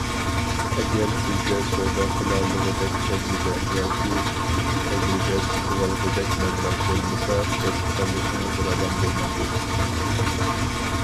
ئەگەر سىزدە سودا قىلالىغۇدەك تەجرىبە ياكى تەجرىبە سېتىۋالغۇدەك مەبلەغ بولمىسا، كەسىپ تاللىشىڭىز راۋان بولمايدۇ.